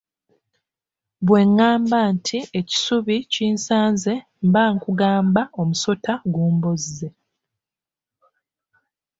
Bwe ŋŋamba nti ekisubi kinsaze mba nkugamba omusota gumbozze.